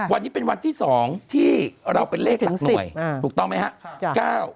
วันนี้เป็นวันที่๒ที่เราเป็นเลขหลักสวยถูกต้องไหมครับ